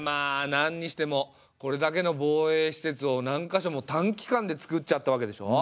なんにしてもこれだけの防衛施設を何か所も短期間でつくっちゃったわけでしょ？